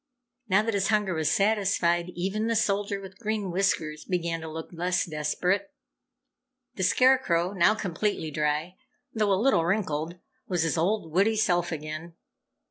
Now that his hunger was satisfied, even the Soldier with Green Whiskers began to look less desperate. The Scarecrow, now completely dry though a little wrinkled, was his old, witty self again.